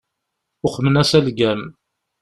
Uqmen-as algam.